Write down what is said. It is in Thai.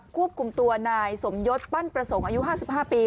ควบคุมตัวนายสมยศปั้นประสงค์อายุ๕๕ปี